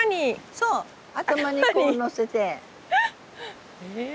そう頭にこうのせて。へ。